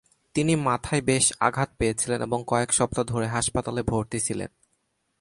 তিনি মাথায় বেশ আঘাত পেয়েছিলেন এবং কয়েক সপ্তাহ ধরে হাসপাতালে ভর্তি ছিলেন।